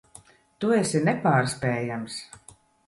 Tu esi nepārspējams.